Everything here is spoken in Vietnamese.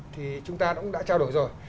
thì chúng ta đã trao đổi rồi